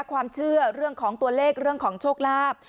ความเชื่อเรื่องของตัวเลขเรื่องของโชคลาภ